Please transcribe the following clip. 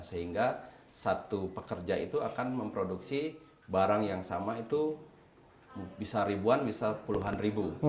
sehingga satu pekerja itu akan memproduksi barang yang sama itu bisa ribuan bisa puluhan ribu